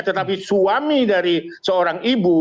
tetapi suami dari seorang ibu